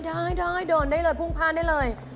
อ๋อถ้าได้ได้เลยภูมิพาดได้เลย